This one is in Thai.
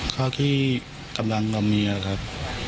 เขาที่กำลังดำเนียครับ